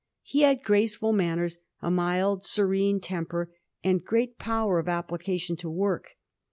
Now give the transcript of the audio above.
He had graceful manners, a mild, serene temper, and great power of application to work.